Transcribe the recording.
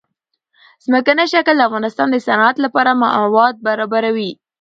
ځمکنی شکل د افغانستان د صنعت لپاره مواد برابروي.